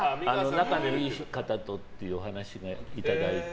仲のいい方とってお話しいただいて。